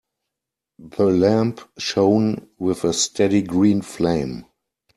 The lamp shone with a steady green flame.